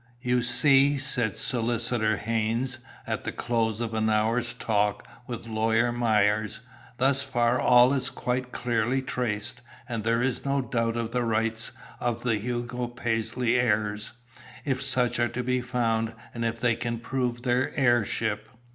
"You see," said Solicitor Haynes, at the close of an hour's talk with Lawyer Myers, "thus far all is quite clearly traced, and there is no doubt of the rights of the Hugo Paisley heirs if such are to be found, and if they can prove their heirship."